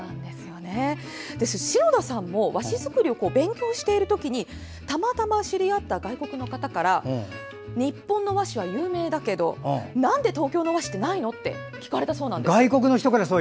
篠田さんも和紙作りを勉強しているときにたまたま知り合った外国人の方から日本の和紙って有名だけどなんで東京の和紙ってないの？と聞かれたそうなんです。